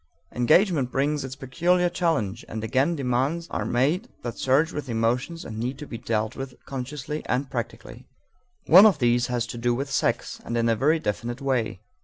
Engagement brings its peculiar challenge, and again demands are made that surge with emotions and need to be dealt with consciously and practically. One of these has to do with sex, and in a very definite way.